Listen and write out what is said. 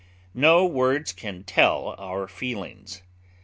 No words can tell our feelings.